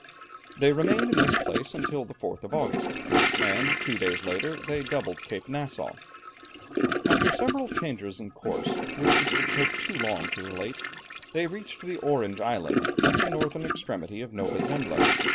They remained in this place until the 4th of August, and two days later they doubled Cape Nassau. After several changes of course, which it would take too long to relate, they reached the Orange Islands at the northern extremity of Nova Zembla.